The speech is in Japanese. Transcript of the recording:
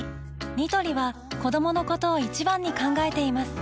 ニトリは子どものことを一番に考えています